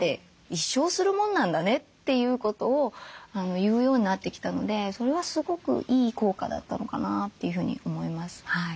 「一生するもんなんだね」ということを言うようになってきたのでそれはすごくいい効果だったのかなというふうに思います。